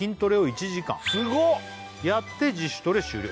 「１時間やって自主トレ終了」